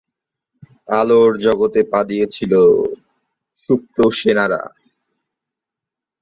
এই সাম্রাজ্য তার রাজধানী বিজয়নগরের নামে চিহ্নিত।